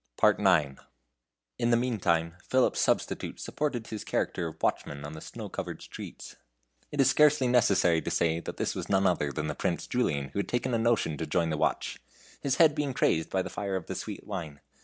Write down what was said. VIII. In the meantime Philip's substitute supported his character of watchman on the snow covered streets. It is scarcely necessary to say that this was none other than Prince Julian who had taken a notion to join the watch his head being crazed by the fire of the sweet wine.